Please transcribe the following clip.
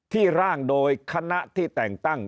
ร่างโดยคณะที่แต่งตั้ง